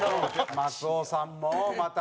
松尾さんもまた。